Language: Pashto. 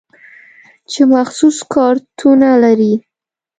چې مخصوص کارتونه لري.